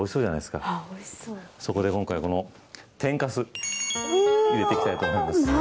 そこで今回この、天かす入れてきたいと思います。